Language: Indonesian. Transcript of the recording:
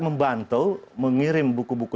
membantu mengirim buku buku